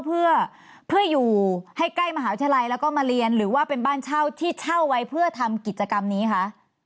เพื่ออยู่ให้ใกล้มหาวิทยาลัยแล้วก็มาเรียนหรือว่าเป็นบ้านเช่าที่เช่าไว้เพื่อทำกิจกรรมนี้คะ